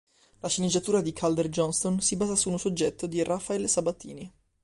La sceneggiatura di Calder Johnstone si basa su un soggetto di Rafael Sabatini.